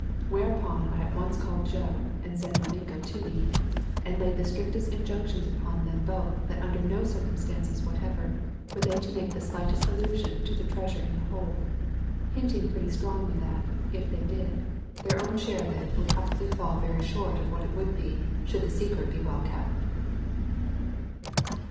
Whereupon I at once called Joe and San Domingo to me, and laid the strictest injunctions upon them both that under no circumstances whatever were they to make the slightest allusion to the treasure in the hold; hinting pretty strongly that, if they did, their own share of it would probably fall very far short of what it would be should the secret be well kept.